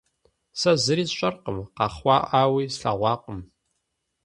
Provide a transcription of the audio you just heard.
Сэ зыри сщӏэркъым, къэхъуаӏауи слъэгъуакъым.